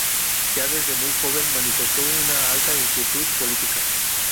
Ya desde muy joven manifestó una alta inquietud política.